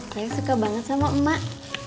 saya suka banget sama emak